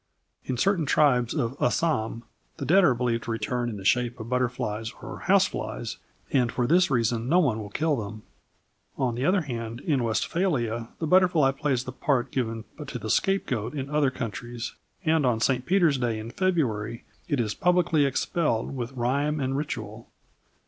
In certain tribes of Assam the dead are believed to return in the shape of butterflies or house flies, and for this reason no one will kill them. On the other hand, in Westphalia the butterfly plays the part given to the scapegoat in other countries, and on St Peter's Day, in February, it is publicly expelled with rhyme and ritual.